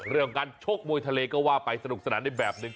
เรื่องของการชกมวยทะเลก็ว่าไปสนุกสนานได้แบบหนึ่ง